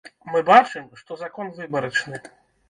Мы бачым, што закон выбарачны.